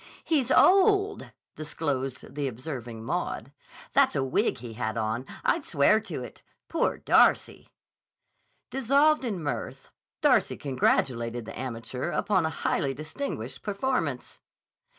"He's old." disclosed the observing Maud. "That's a wig he had on. I'd swear to it. Poor Darcy!" Dissolved in mirth, Darcy congratulated the amateur upon a highly distinguished performance.